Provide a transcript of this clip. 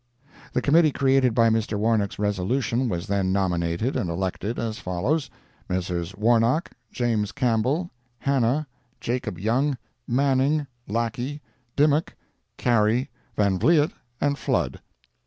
The committee created by Mr. Warnock's resolution was then nominated and elected, as follows: Messrs. Warnock, Jas. Campbell, Hannah, Jacob Young, Manning, Lackey, Dimock, Carey, Van Vliet and Flood.